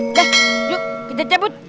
udah yuk kita cabut